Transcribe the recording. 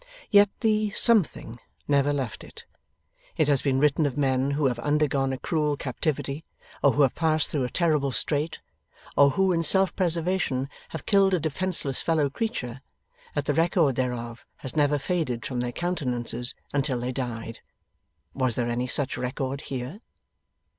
Yet the something never left it. It has been written of men who have undergone a cruel captivity, or who have passed through a terrible strait, or who in self preservation have killed a defenceless fellow creature, that the record thereof has never faded from their countenances until they died. Was there any such record here?